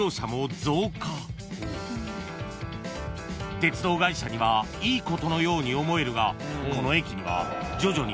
［鉄道会社にはいいことのように思えるがこの駅には徐々に］